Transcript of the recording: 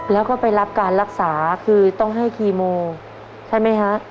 แล้วก็ไปรับการรักษาคือต้องให้คีโมใช่ไหมฮะ